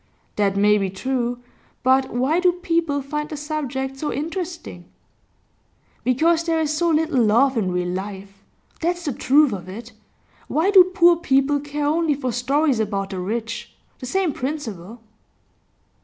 'That may be true. But why do people find the subject so interesting?' 'Because there is so little love in real life. That's the truth of it. Why do poor people care only for stories about the rich? The same principle.